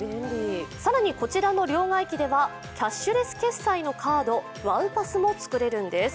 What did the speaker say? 更にこちらの両替機ではキャッシュレス決済のカードＷＯＷＰＡＳＳも作れるんです。